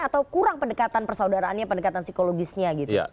atau kurang pendekatan persaudaraannya pendekatan psikologisnya gitu